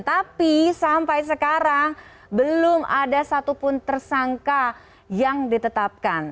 tapi sampai sekarang belum ada satupun tersangka yang ditetapkan